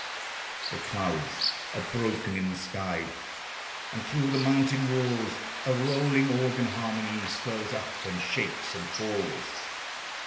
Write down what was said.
The clouds are broken in the sky, And thro' the mountain walls A rolling organ harmony Swells up, and shakes and falls.